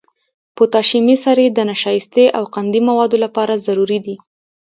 پوتاشیمي سرې د نشایستې او قندي موادو لپاره ضروري دي.